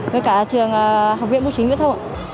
với cả trường học viện bốc chính việt thông